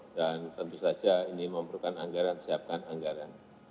dan tentu saja ini membutuhkan anggaran siapkan anggaran